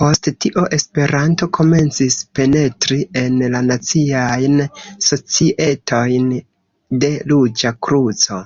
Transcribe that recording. Post tio Esperanto komencis penetri en la naciajn societojn de Ruĝa Kruco.